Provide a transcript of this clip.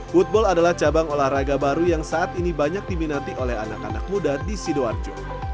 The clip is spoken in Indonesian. football adalah cabang olahraga baru yang saat ini banyak diminati oleh anak anak muda di sidoarjo